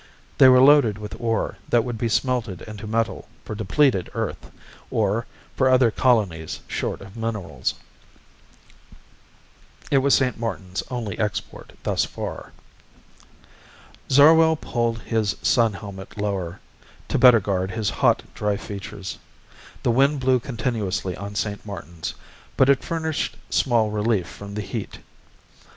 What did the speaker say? They were loaded with ore that would be smelted into metal for depleted Earth, or for other colonies short of minerals. It was St. Martin's only export thus far. Zarwell pulled his sun helmet lower, to better guard his hot, dry features. The wind blew continuously on St. Martin's, but it furnished small relief from the heat.